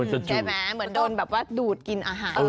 เหมือนโดนแบบว่าดูดกินอาหาร